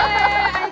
nih kalah ini